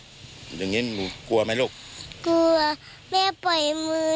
กลัวแม่ปล่อยมือหนูแม่ไม่จัดมือหนู